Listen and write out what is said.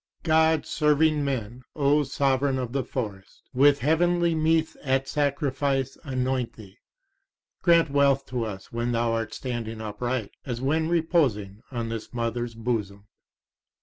GOD SERVING men, O Sovran of the Forest, with heavenly meath at sacrifice anoint thee. Grant wealth to us when thou art standing upright as when reposing on this Mother's bosom.